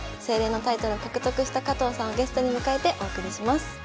清麗のタイトルを獲得した加藤さんをゲストに迎えてお送りします。